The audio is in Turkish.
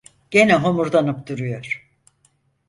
Gene homurdanıp duruyor.